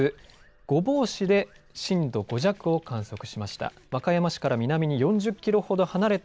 御坊市で震度５弱を観測しました。